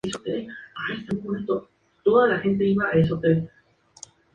Tras la Restauración Meiji fue nombrado oficial de la Guardia Imperial de Japón.